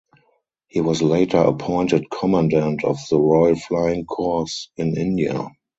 He was later appointed Commandant of the Royal Flying Corps in India.